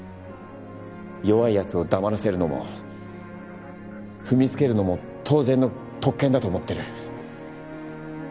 弱いやつを黙らせるのも踏みつけるのも当然の特権だと思ってる。